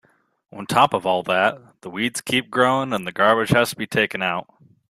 On top of all that, the weeds keep growing and the garbage has to be taken out.